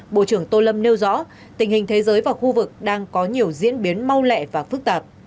bộ trưởng tô lâm nêu rõ tình hình thế giới và khu vực đang có nhiều diễn biến mau lẹ và phức tạp